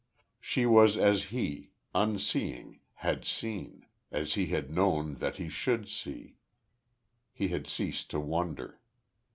She was as he, unseeing, had seen; as he had known that he should see.... He had ceased to wonder.